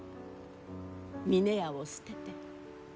峰屋を捨てて。